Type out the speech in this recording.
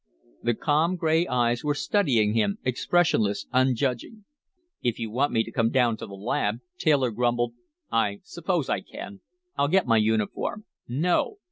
The calm gray eyes were studying him, expressionless, unjudging. "If you want me to come down to the lab," Taylor grumbled, "I suppose I can. I'll get my uniform " "No.